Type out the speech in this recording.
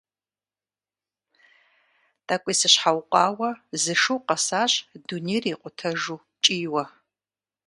ТӀэкӀуи сыщхьэукъуауэ, зы шу къэсащ дунейр икъутэжу кӀийуэ.